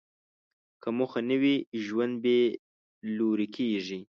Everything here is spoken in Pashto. که موخه نه وي، ژوند بېلوري کېږي.